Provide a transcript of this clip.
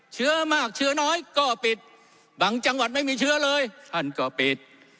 เชื้อมากเชื้อน้อยก็ปิดบางจังหวัดไม่มีเชื้อเลยท่านก็ปิด